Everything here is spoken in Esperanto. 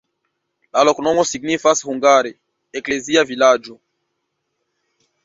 La loknomo signifas hungare: eklezia-vilaĝo.